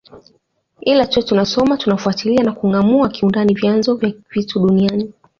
Ila tuwe tunasoma tunafuatilia na kungâamua kiundani vyanzo vya vitu duniani